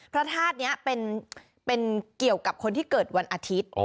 พระธาตุนี้เป็นเกี่ยวกับคนที่เกิดวันอาทิตย์